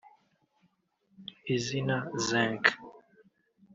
Izina Zinc